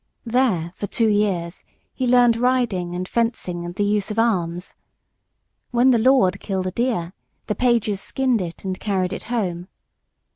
There, for two years, he learned riding and fencing, and the use of arms. When the lord killed a deer the pages skinned it and carried it home.